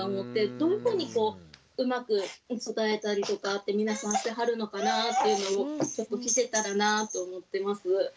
どういうふうにこううまく伝えたりとかって皆さんしてはるのかなっていうのをちょっと聞けたらなと思ってます。